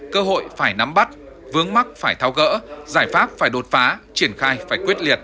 cơ hội phải nắm bắt vướng mắt phải thao gỡ giải pháp phải đột phá triển khai phải quyết liệt